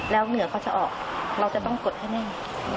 แล้วเหนือเขาจะออกเราจะต้องกดให้แน่น